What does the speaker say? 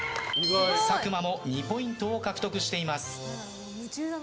佐久間も２ポイントを獲得しています。